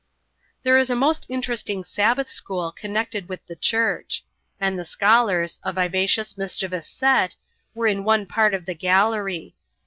There is a most interesting Sabbath school connected with the church ; and the scholars, a vivacious, mischievous set, were in one part of the gallery.